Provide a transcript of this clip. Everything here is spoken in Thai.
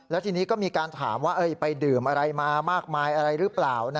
แล้วทีนี้ก็มีการถามว่าไปดื่มอะไรมามากมายอะไรหรือเปล่า